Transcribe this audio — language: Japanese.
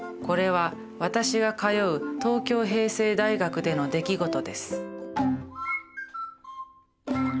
これは私が通う東京平成大学での出来事です。